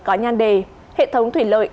có nhan đề hệ thống thủy lợi